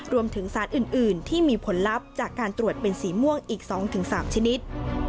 รวมถึงสารอื่นที่มีผลลัพธ์จากการตรวจเป็นสีม่วงอีก๒๓ชนิด